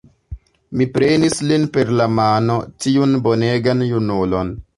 Mi prenis lin per la mano, tiun bonegan junulon.